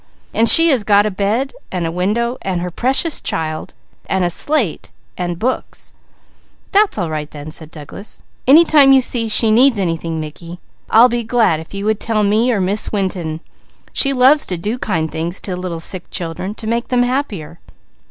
And she has got a bed, and a window, and her Precious Child, and a slate, and books." "That's all right then," said Douglas. "Any time you see she needs anything Mickey, I'd be glad if you would tell me or Miss Winton. She loves to do kind things to little sick children to make them happier."